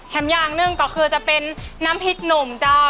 อย่างหนึ่งก็คือจะเป็นน้ำพริกหนุ่มเจ้า